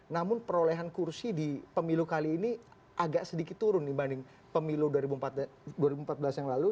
namun perolehan kursi di pemilu kali ini agak sedikit turun dibanding pemilu dua ribu empat belas yang lalu